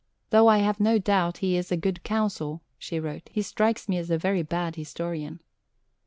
"Though I have no doubt he is a good counsel," she wrote, "he strikes me as a very bad historian."